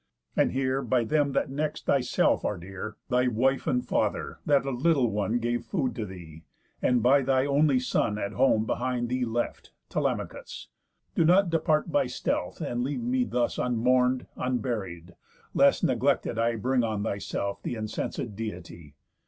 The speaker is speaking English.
And here, by them that next thyself are dear, Thy wife, and father, that a little one Gave food to thee, and by thy only son At home behind thee left, Telemachus, Do not depart by stealth, and leave me thus, Unmourn'd, unburied, lest neglected I Bring on thyself th' incenséd Deity.